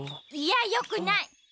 いやよくない。